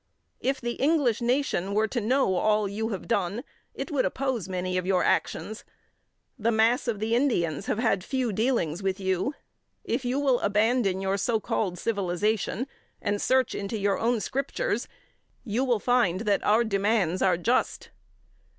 If the English nation were to know all you have done, it would oppose many of your actions. The mass of the Indians have had few dealings with you. If you will abandon your so called civilization, and search into your own scriptures, you will find that our demands are just.